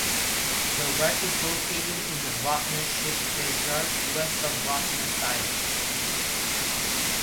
The wreck is located in the Rottnest ship graveyard, west of Rottnest Island.